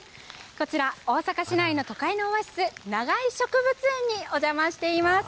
こちら、大阪市内の都会のオアシス、長居植物園にお邪魔しています。